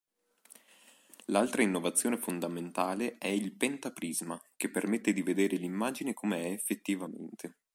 L'altra innovazione fondamentale è il pentaprisma che permette di vedere l'immagine come è effettivamente.